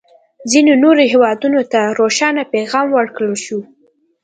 ځینو نورو هېوادونه ته روښانه پیغام ورکړل شو.